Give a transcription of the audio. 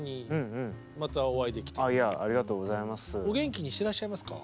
お元気にしてらっしゃいますか？